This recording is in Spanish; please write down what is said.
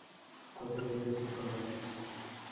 Cuatro días, cinco noches.